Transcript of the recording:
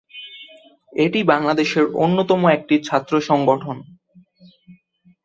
এটি বাংলাদেশের অন্যতম একটি ছাত্র সংগঠন।